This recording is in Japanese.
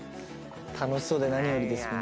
楽しそうで何よりですみんなが。